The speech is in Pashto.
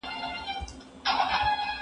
زه کتابونه نه وړم